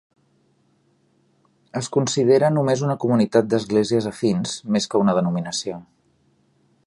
Es considera només una comunitat d'esglésies afins, més que una denominació.